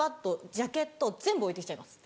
ジャケット全部置いてきちゃいます。